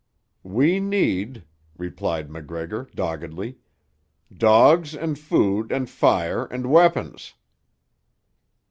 "We need," replied MacGregor doggedly, "dogs, and food, and fire, and weapons."